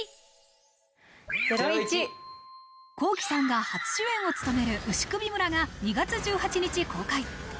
Ｋｏｋｉ，さんが初主演を務める『牛首村』が２月１８日公開。